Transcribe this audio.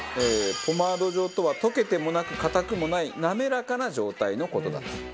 ポマード状とは溶けてもなく硬くもない滑らかな状態の事だと。